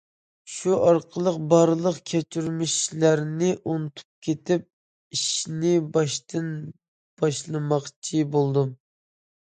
شۇ ئارقىلىق بارلىق كەچۈرمىشلەرنى ئۇنتۇپ كېتىپ ئىشنى باشتىن باشلىماقچى بولدۇم.